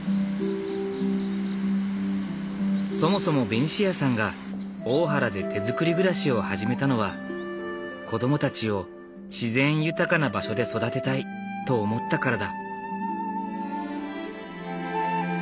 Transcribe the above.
そもそもベニシアさんが大原で手づくり暮らしを始めたのは子供たちを自然豊かな場所で育てたいと思ったからだ。